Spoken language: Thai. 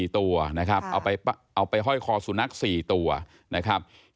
๔ตัวนะครับเอาไปห้อยคอสุนัข๔ตัวนะครับ